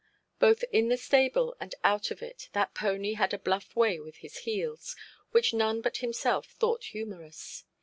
Both in the stable and out of it, that pony had a bluff way with his heels, which none but himself thought humorous.